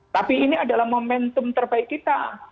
tapi ini adalah momentum terbaik kita